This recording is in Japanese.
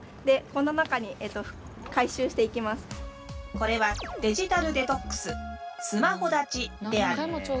これはデジタルデトックススマホ断ちである。